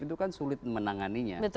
itu kan sulit menanganinya